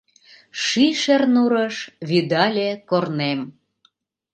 Ший Шернурыш вӱдале корнем.